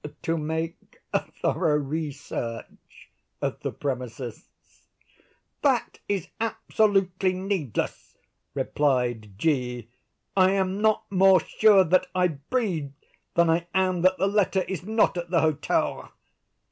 "To make a thorough re search of the premises." "That is absolutely needless," replied G——. "I am not more sure that I breathe than I am that the letter is not at the Hotel."